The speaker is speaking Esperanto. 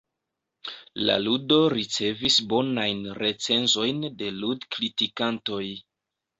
La ludo ricevis bonajn recenzojn de lud-kritikantoj.